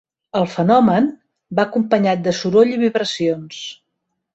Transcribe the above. El fenomen va acompanyat de soroll i vibracions.